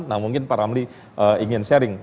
nah mungkin pak ramli ingin sharing